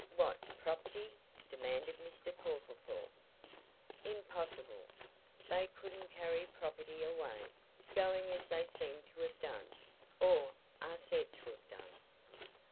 "What property?" demanded Mr. Portlethorpe. "Impossible! they couldn't carry property away going as they seem to have done or are said to have done!"